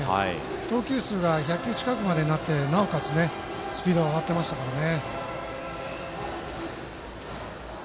投球数が１００球近くになってなおかつ、スピードが上がっていましたからね。